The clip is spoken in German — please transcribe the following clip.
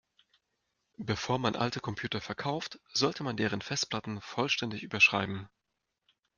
Bevor man alte Computer verkauft, sollte man deren Festplatten vollständig überschreiben.